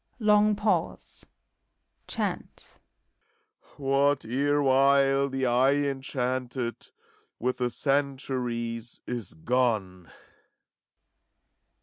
Long pause. Chant, What erewhile the eye enchanted With the centuries is gone.